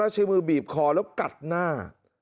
ใช้มือบีบคอแล้วกัดหน้า